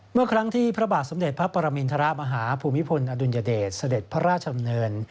เมื่อครั้งที่พระบาทสมเด็จพระปรมินทรมาฮาภูมิพลอดุลยเดชเสด็จพระราชดำเนิน